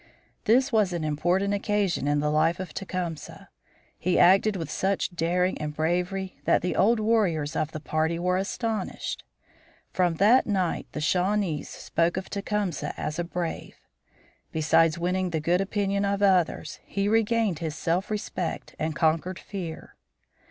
This was an important occasion in the life of Tecumseh. He acted with such daring and bravery that the old warriors of the party were astonished. From that night the Shawnees spoke of Tecumseh as a brave. Besides winning the good opinion of others, he regained his self respect and conquered fear.